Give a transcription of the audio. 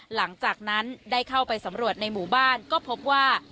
หลังจากนั้นได้เข้าไปสำรวจในหมู่บ้านก็พบว่า